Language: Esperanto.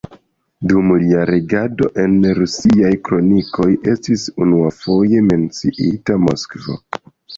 Dum lia regado en rusiaj kronikoj estis unuafoje menciita Moskvo.